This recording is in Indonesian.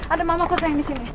ada mama kuat sayang disini